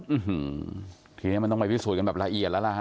อืมทีนี้มันต้องไปพิสูจนกันแบบละเอียดแล้วล่ะฮ